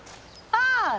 ああ！